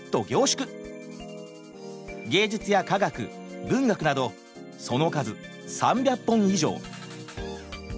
芸術や科学文学などその数３００本以上。